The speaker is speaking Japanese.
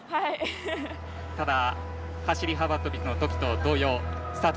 ただ、走り幅跳びのときと同様スタート